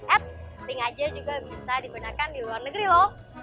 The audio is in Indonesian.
app linkaja juga bisa digunakan di luar negeri lho